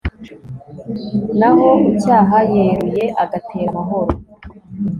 naho ucyaha yeruye agatera amahoro